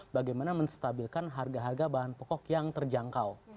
bagaimana menstabilkan harga harga bahan pokok yang terjangkau